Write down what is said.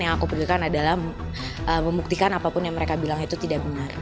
yang aku pikirkan adalah membuktikan apapun yang mereka bilang itu tidak benar